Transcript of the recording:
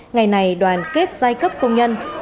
ngày này đoàn kết giai cấp công nhân